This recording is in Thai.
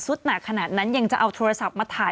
คุณหนุ่มกัญชัยได้เล่าใหญ่ใจความไปสักส่วนใหญ่แล้ว